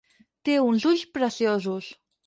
Té uns ulls preciosos.